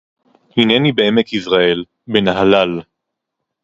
הנני בעמק יזרעאל, בנהלל.